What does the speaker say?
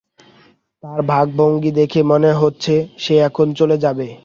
তার ভাবভঙ্গি দেখে মনে হচ্ছে, সে এখন চলে যাবে।